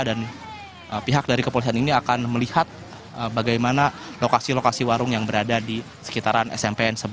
dan pihak dari kepolisian ini akan melihat bagaimana lokasi lokasi warung yang berada di sekitaran smpn sebelas